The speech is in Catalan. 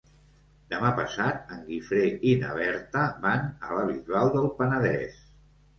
Demà passat en Guifré i na Berta van a la Bisbal del Penedès.